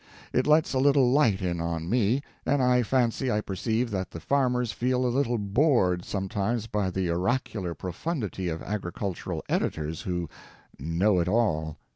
It lets a little light in on me, and I fancy I perceive that the farmers feel a little bored, sometimes, by the oracular profundity of agricultural editors who "know it all."